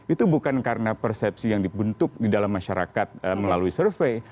itu bukan karena persepsi yang dibentuk di dalam masyarakat melalui survei